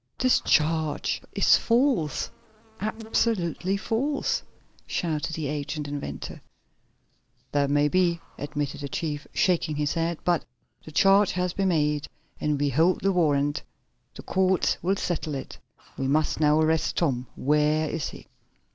"This charge is false! Absolutely false!" shouted the aged inventor. "That may be," admitted the chief shaking his head. "But the charge has been made, and we hold the warrant. The courts will settle it. We must now arrest Tom. Where is he?"